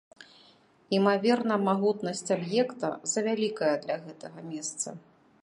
Імаверна, магутнасць аб'екта завялікая для гэтага месца.